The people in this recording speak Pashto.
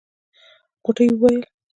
غوټۍ وويل.